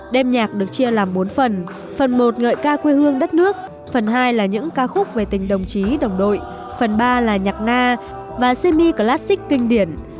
đêm nhạc được chia làm bốn phần phần một ngợi ca quê hương đất nước phần hai là những ca khúc về tình đồng chí đồng đội phần ba là nhạc nga và semi classik kinh điển